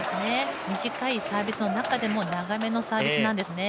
短いサービスの中でも長めのサービスなんですよね。